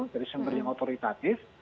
jadi semuanya otoritatif